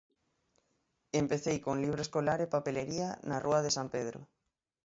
Empecei con libro escolar e papelería, na rúa de San Pedro.